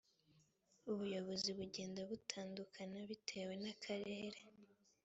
ubuyobozi bugenda butandukana bitewe n ‘akarere .